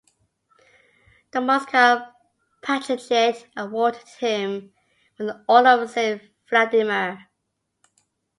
The Moscow Patriarchate awarded him with the Order of Saint Vladimir.